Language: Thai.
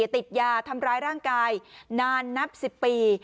ติดยาทำร้ายร่างกายนานนับ๑๐ปี